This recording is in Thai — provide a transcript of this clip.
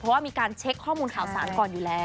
เพราะว่ามีการเช็คข้อมูลข่าวสารก่อนอยู่แล้ว